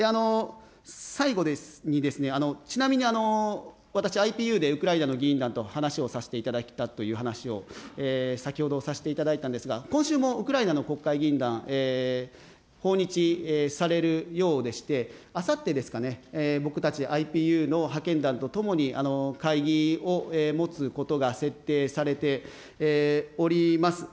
最後にですね、ちなみに私、ＩＰＵでウクライナの議員団と話をさせていただいたという話を先ほどさせていただいたんですが、今週もウクライナの国会議員団、訪日されるようでして、あさってですかね、僕たちＩＰＵの派遣団とともに、会議を持つことが設定されております。